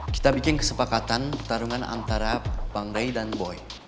kita bikin kesepakatan pertarungan antara bang ray dan boy